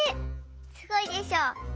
すごいでしょ。